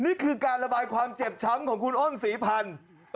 นี่คือการระบายความเจ็บช้ำของคุณอ้นศรีพันธุ์